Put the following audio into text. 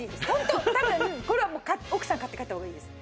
多分これは奥さんに買って帰った方がいいです。